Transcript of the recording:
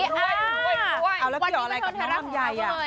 วันนี้เทวนธรรมของเราก็เลย